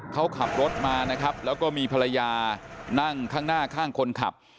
เขาขับรถมานะครับแล้วก็มีภรรยานั่งข้างหน้าข้างคนขับ